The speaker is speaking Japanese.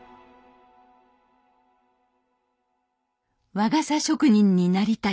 「和傘職人になりたい」。